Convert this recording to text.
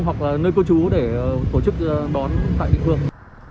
hoặc là nơi cô chú để tổ chức đón tại địa phương